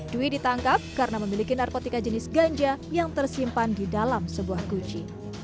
dwi ditangkap karena memiliki narkotika jenis ganja yang tersimpan di dalam sebuah guci